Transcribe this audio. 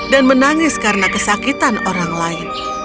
dan menangis karena kesakitan orang lain